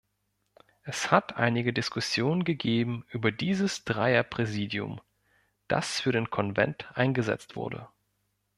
Es hat einige Diskussionen gegeben über dieses Dreierpräsidium, das für den Konvent eingesetzt wurde.